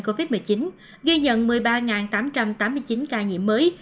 covid một mươi chín ghi nhận một mươi ba tám trăm tám mươi chín ca nhiễm mới